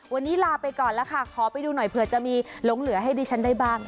วันนี้ลาไปก่อนแล้วค่ะขอไปดูหน่อยเผื่อจะมีหลงเหลือให้ดิฉันได้บ้าง